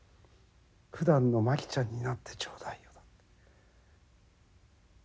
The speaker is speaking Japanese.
「ふだんの牧ちゃんになってちょうだいよ」。